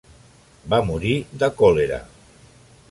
Va morir de còlera.